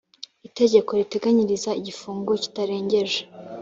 itegeko riteganyiriza igifungo kitarengeje